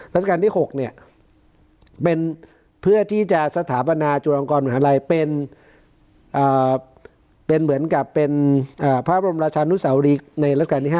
ราชการที่๖เป็นเพื่อที่จะสถาปนาจุฬลงกรมหาวิทยาลัยเป็นเหมือนกับเป็นพระบรมราชานุสาวรีในราชการที่๕